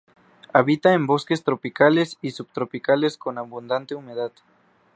Habita en bosques tropicales y subtropicales con abundante humedad.